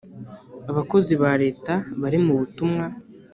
abakozi ba leta bari mu butumwa